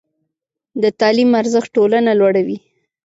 د تعلیم ارزښت ټولنه لوړوي.